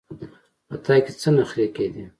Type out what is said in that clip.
په تا کې څه نخرې کېدې.